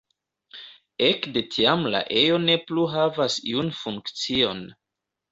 Ekde tiam la ejo ne plu havas iun funkcion.